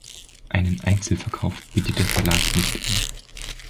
Einen Einzelverkauf bietet der Verlag nicht an.